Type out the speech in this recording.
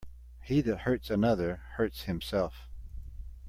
He that hurts another, hurts himself.